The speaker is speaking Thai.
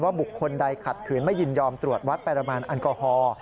บุคคลใดขัดขืนไม่ยินยอมตรวจวัดปริมาณแอลกอฮอล์